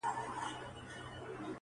• زموږ کاروان ته د هنر سپيني ډېوې سه,